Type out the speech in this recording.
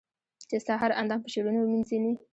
چي ستا هر اندام په شعرونو و مېنځنې